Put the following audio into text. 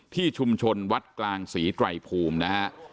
ที่ชุมชนวัดกลางศรีไตรภูมินะฮะ